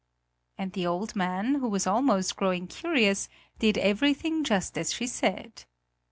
And the old man, who was almost growing curious, did everything just as she said.